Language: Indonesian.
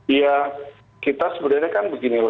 ya kita sebenarnya kan begini